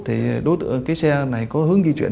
thì đối tượng cái xe này có hướng di chuyển